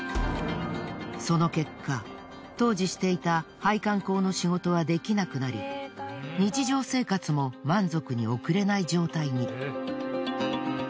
その結果当時していた配管工の仕事はできなくなり日常生活も満足に送れない状態に。